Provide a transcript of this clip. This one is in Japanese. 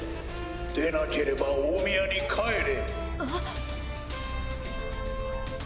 でなければ大宮に帰れ。